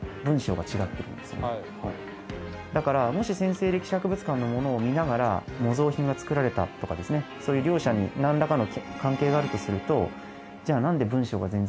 だからもし陝西歴史博物館のものを見ながら模造品がつくられたとかですね両者に何らかの関係があるとすると。